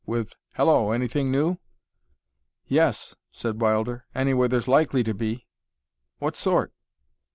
with "Hello! Anything new?" "Yes," said Wilder, "anyway, there's likely to be." "What sort?"